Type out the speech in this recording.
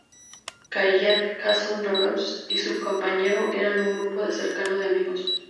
Caillat, Jason Reeves y su compañero eran un grupo cercano de amigos.